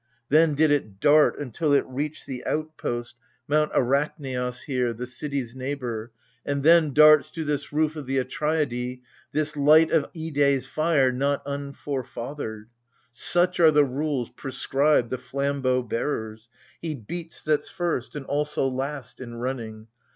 Then did it dart until it reached the outpost 28 AGAMEMNON. Mount Arachnaios here, the city's neighbour ; And then darts to this roof of the Atreidai This hght of Ide's fire not unforefathered ! Such are the rules prescribed the flambeau bearers : He beats that's first and also last in running.